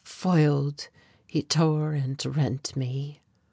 Foiled, he tore and rent me....